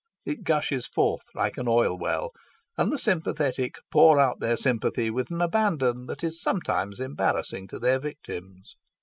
It gushes forth like an oil well, and the sympathetic pour out their sympathy with an abandon that is sometimes embarrassing to their victims.